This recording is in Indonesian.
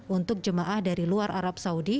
untuk jemaah dari luar arab saudi